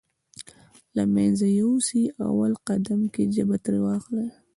له منځه يوسې اول قدم کې ژبه ترې واخلئ.